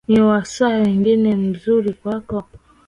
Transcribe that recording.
ni wasaa mwingine mzuri kwako